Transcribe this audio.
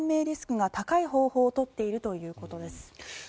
リスクが高い方法を取っているということです。